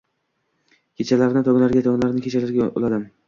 Kechalarni tonglarga, tonglarni kechalarga uladim